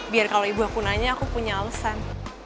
biar kalau ibu aku nanya aku punya alasan